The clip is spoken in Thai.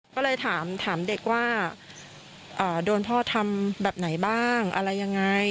ก็เลยถามเด็กว่าโดนพ่อทำแบบไหนบ้างอะไรยังไง